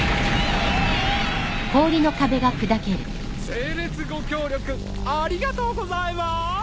整列ご協力ありがとうございます。